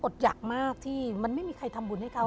อยากมากที่มันไม่มีใครทำบุญให้เขา